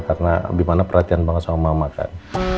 karena abimana perhatian banget sama mama kan